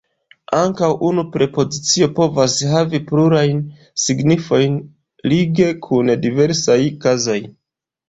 Ankaŭ unu prepozicio povas havi plurajn signifojn lige kun diversaj kazoj.